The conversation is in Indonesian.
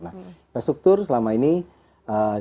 nah infrastruktur selama ini ee